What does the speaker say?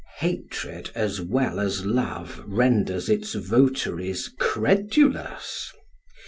Hatred, as well as love, renders its votaries credulous.